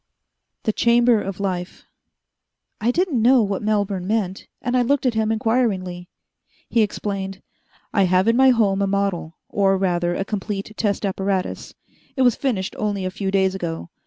The Chamber of Life I didn't know what Melbourne meant, and I looked at him inquiringly. He explained: "I have in my home a model or rather a complete test apparatus. It was finished only a few days ago.